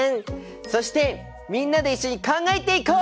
そしてみんなで一緒に考えていこう！